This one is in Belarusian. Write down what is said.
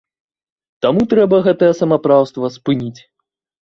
Таму трэба гэтае самаўпраўства спыніць.